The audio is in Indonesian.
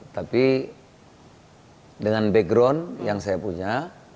tapi dengan background yang saya punya